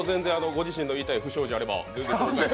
ご自身が言いたいことがあれば。